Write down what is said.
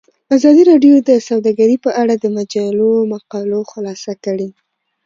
ازادي راډیو د سوداګري په اړه د مجلو مقالو خلاصه کړې.